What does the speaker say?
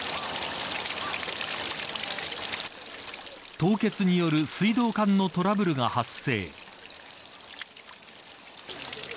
凍結による水道管のトラブルが発生。